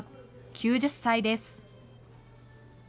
９０歳です。